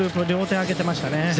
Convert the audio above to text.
両手を上げていましたね。